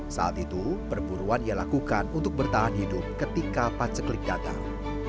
saat itu perburuan ia lakukan untuk bertahan hidup ketika paceklik datang